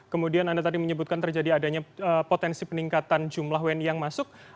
kemudian anda tadi menyebutkan terjadi adanya potensi peningkatan jumlah wni yang masuk